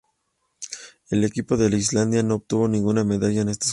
El equipo de Islandia no obtuvo ninguna medalla en estos Juegos.